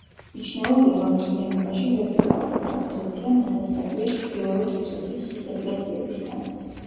მიჩნეულია, რომ მთლიანობაში ვერტიკალური კომპოზიცია, ნასესხებია ჩრდილოეთ რუსეთის ხის ეკლესიებისგან.